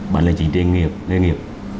bản lĩnh chính trị nghề nghiệp